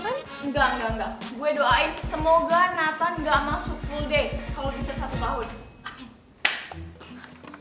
kan enggak enggak gue doain semoga nathan gak masuk full day kalau bisa satu tahun